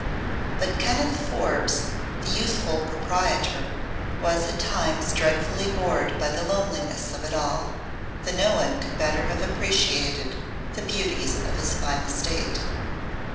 But Kenneth Forbes, the youthful proprietor, was at times dreadfully bored by the loneliness of it all, though no one could better have appreciated the beauties of his fine estate.